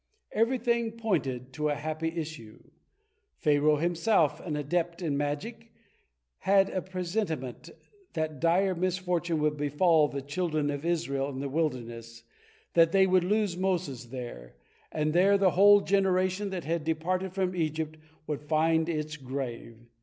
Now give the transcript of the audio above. Everything pointed to a happy issue. Pharaoh, himself an adept in magic, had a presentiment that dire misfortune would befall the children of Israel in the wilderness, that they would lose Moses there, and there the whole generation that had departed from Egypt would find its grave.